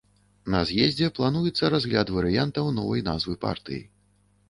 На з'ездзе плануецца разгляд варыянтаў новай назвы партыі.